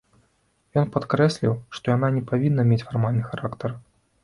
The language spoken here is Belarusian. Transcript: Ён падкрэсліў, што яна не павінна мець фармальны характар.